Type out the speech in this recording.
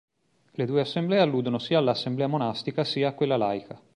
Le due assemblee alludono sia alla assemblea monastica sia a quella laica.